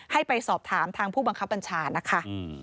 ให้ไปสอบถามทางผู้บังคับบัญชานะคะ